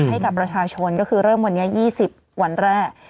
ให้กับประชาชนก็คือเริ่มวันนี้๒๐วันแรก